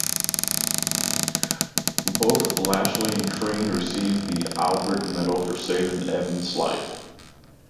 Both Lashly and Crean received the Albert Medal for saving Evans' life.